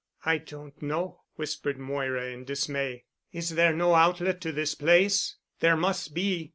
"I don't know," whispered Moira in dismay. "Is there no outlet to this place? There must be.